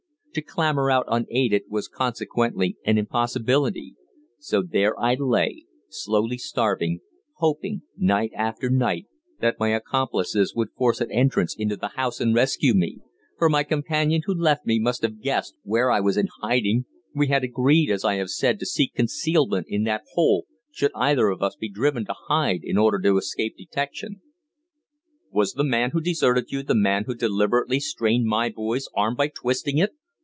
To clamber out unaided was consequently an impossibility; so there I lay, slowly starving, hoping, night after night, that my accomplices would force an entrance into the house and rescue me, for my companion who left me must have guessed where I was in hiding we had agreed, as I have said, to seek concealment in that hole should either of us be driven to hide in order to escape detection." "Was the man who deserted you the man who deliberately strained my boy's arm by twisting it?"